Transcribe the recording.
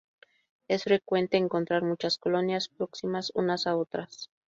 Es frecuente encontrar muchas colonias próximas unas a otras.